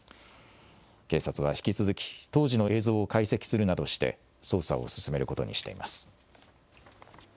警察は引き続き、当時の映像を解析するなどして、捜査を進めることにしています。